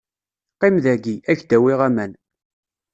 Qqim dayi, ad k-d-awiɣ aman.